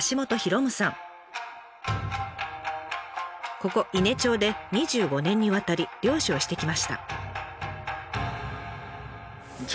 ここ伊根町で２５年にわたり漁師をしてきました。